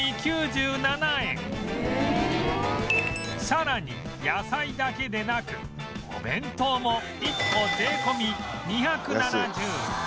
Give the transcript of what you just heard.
さらに野菜だけでなくお弁当も１個税込２７０円